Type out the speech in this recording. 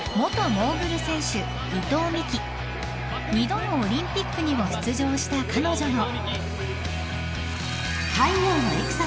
［２度のオリンピックにも出場した彼女の］